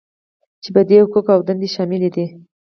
په دې کې حقوق او دندې شاملې دي.